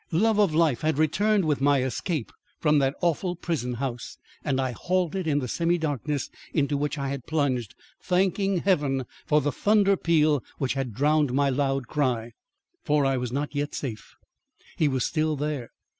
Love of life had returned with my escape from that awful prison house, and I halted in the semidarkness into which I had plunged, thanking Heaven for the thunder peal which had drowned my loud cry. For I was not yet safe. He was still there.